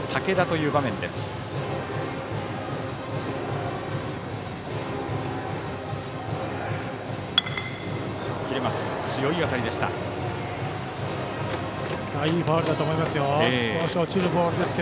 いいファウルだと思います。